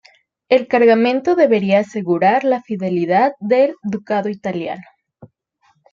El cargamento debería asegurar la fidelidad del ducado italiano.